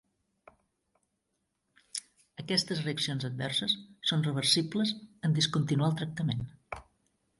Aquestes reaccions adverses són reversibles en discontinuar el tractament.